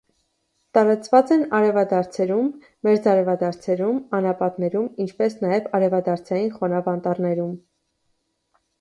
Տարածված են արևադարձերում, մերձարևադարձերում, անապատներում, ինչպես նաև արևադարձային խոնավ անտառներում։